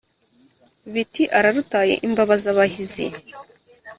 Biti " Ararutaye Imbabazabahizi !".